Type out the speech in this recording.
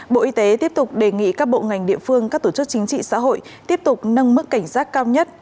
bộ y tế tiếp tục đề nghị các bộ ngành địa phương các tổ chức chính trị xã hội tiếp tục nâng mức cảnh giác cao nhất